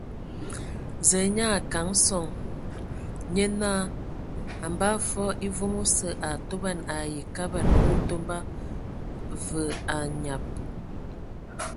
Zǝǝ nyaa a kana sɔŋ, nye naa a mbaa fɔɔ e vom osǝ a atoban ai Kabad ngǝ Ntomba, və anyab.